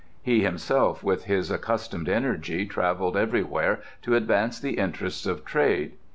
He himself with his accustomed energy travelled everywhere to advance the interests of trade.